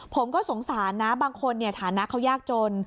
ผมก็สงสารนะบางคนฐานะเขายากจน